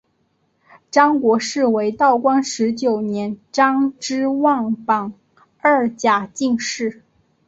张国士为道光十九年张之万榜二甲进士。